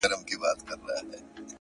• زه به څرنګه د دوی په دام کي لوېږم ,